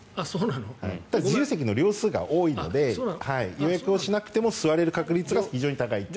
自由席の両数が多いので予約をしなくても座れる確率が非常に高いという。